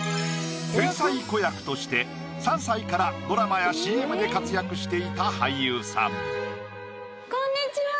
天才子役として３歳からドラマやＣＭで活躍していた俳優さんこんにちは